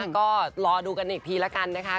ก็รอดูกันอีกทีละกันนะคะ